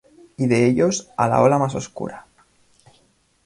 Y de ellos, a la ola más oscura.